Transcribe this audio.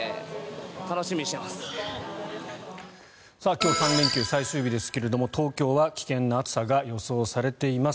今日、３連休最終日ですが東京は危険な暑さが予想されています。